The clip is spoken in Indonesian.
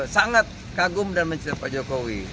sangat kagum dan mencerita pak jokowi